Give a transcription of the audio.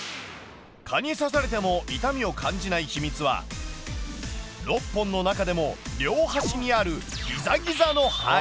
蚊に刺されても痛みを感じない秘密は６本の中でも両端にあるギザギザの針。